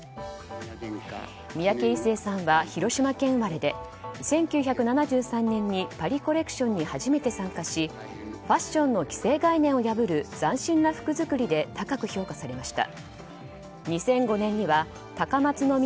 三宅一生さんは広島県生まれで１９７３年にパリ・コレクションに初めて参加しファッションの既成概念を破る斬新な服作りで高く評価されました。